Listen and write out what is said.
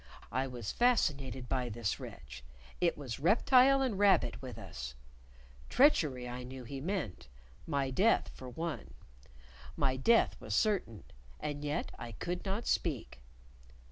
I was fascinated by this wretch: it was reptile and rabbit with us. Treachery I knew he meant; my death, for one; my death was certain; and yet I could not speak.